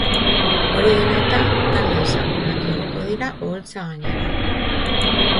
Hori dela eta, talde ezagunak igoko dira oholtza gainera.